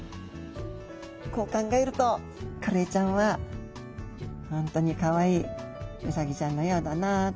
こう考えるとカレイちゃんはほんとにかわいいウサギちゃんのようだなと。